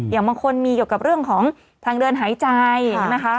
อย่างบางคนมีเกี่ยวกับเรื่องของทางเดินหายใจนะคะ